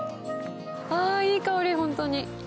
ああ、いい香り、ホントに。